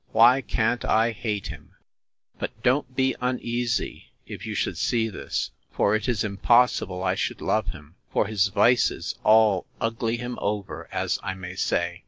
Why can't I hate him?—But don't be uneasy, if you should see this; for it is impossible I should love him; for his vices all ugly him over, as I may say.